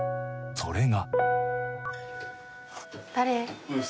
それが。